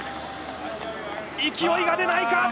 勢いが出ないか。